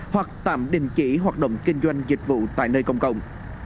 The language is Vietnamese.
hoặc tạm đình chỉ hoạt động kinh doanh dịch vụ tại nơi công cộng